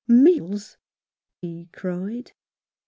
"Meals!" he cried.